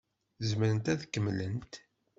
Zemrent ad kemmlent?